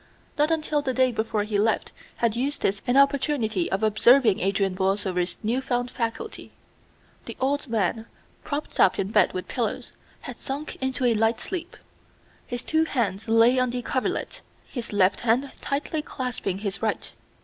Not until the day before he left had Eustace an opportunity of observing Adrian Borlsover's new found faculty. The old man, propped up in bed with pillows, had sunk into a light sleep. His two hands lay on the coverlet, his left hand tightly clasping his right.